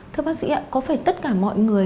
thưa bác sĩ có phải tất cả mọi người